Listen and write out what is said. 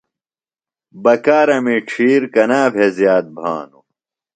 بکارمی ڇِھیر کنا بھےۡ زِیات بھانوۡ؟